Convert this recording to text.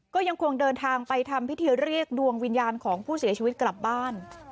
ก็ยังคงเดินทางไปทำพิธีเรียกดวงวิญญาณของผู้เสียชีวิตกลับบ้าน